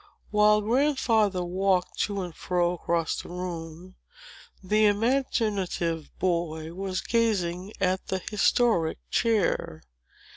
While Grandfather walked to and fro across the room, the imaginative boy was gazing at the historic chair.